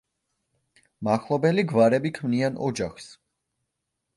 მახლობელი გვარები ქმნიან ოჯახს.